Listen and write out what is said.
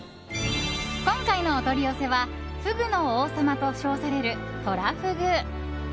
今回のお取り寄せはフグの王様と称されるトラフグ。